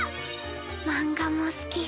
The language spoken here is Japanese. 漫画も好き。